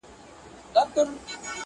• کلي ته ولاړم هر يو يار راڅخه مخ واړوئ..